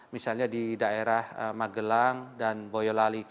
misalnya di daerah magelang dan boyolali